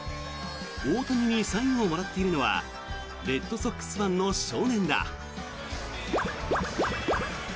大谷にサインをもらっているのはレッドソックスファンの少年だ。